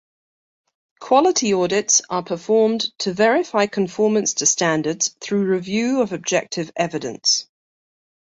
Quality audits are performed to verify conformance to standards through review of objective evidence.